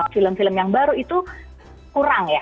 film film yang baru itu kurang ya